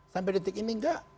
sampai detik ini nggak